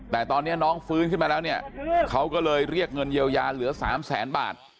แต่ตอนนี้น้องฟื้นขึ้นมาแล้วเนี่ยเขาก็เลยเรียกเงินเยียวยาเหลือ๓แสนบาท